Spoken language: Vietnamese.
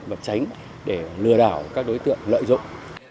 và tránh để lừa đảo các đối tượng lợi dụng